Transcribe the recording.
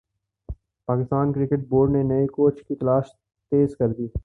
Pakistan cricket board نے نئے coach کی تلاش تیز کر دی